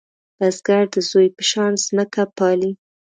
بزګر د زوی په شان ځمکه پالې